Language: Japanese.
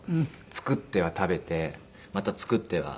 作っては食べてまた作っては。